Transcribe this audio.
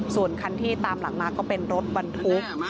ส่วนคันที่ตามหลังมาก็เป็นรถบรรทุก